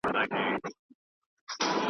چي د غرونو په لمن کي ښکار ته ساز وو .